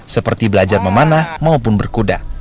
seperti belajar memanah maupun berkuda